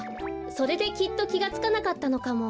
それできっときがつかなかったのかも。